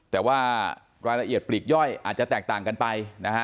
แต่ว่ารายละเอียดปลีกย่อยอาจจะแตกต่างกันไปนะฮะ